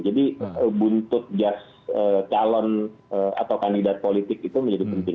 jadi buntut calon atau kandidat politik itu menjadi penting